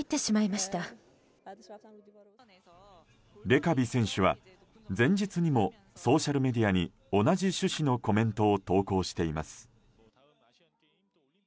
レカビ選手は前日にもソーシャルメディアに同じ趣旨のコメントを投稿しています。